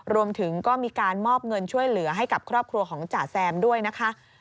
รวมถึงก็มีการมอบเงินช่วยเหลือให้กับครอบครัวของจ่าแซมด้วยนะคะ